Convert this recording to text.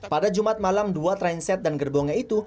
pada jumat malam dua transit dan gerbongnya itu